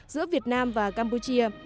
giữa việt nam và campuchia